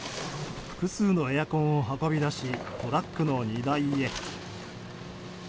複数のエアコンを運び出しトラックの荷台へ。